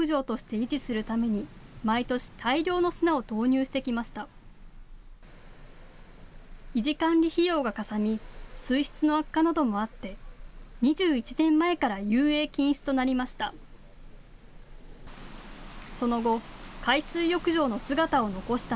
維持管理費用がかさみ、水質の悪化などもあって２１年前から遊泳禁止となりました。